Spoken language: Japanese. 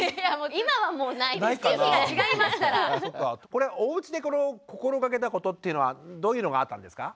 これおうちで心がけたことっていうのはどういうのがあったんですか？